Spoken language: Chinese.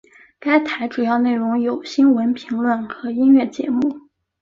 该台主要内容有新闻评论和音乐节目。